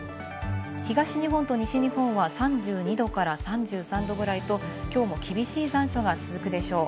東日本と西日本は３２度から３３度ぐらいと、きょうも厳しい残暑が続くでしょう。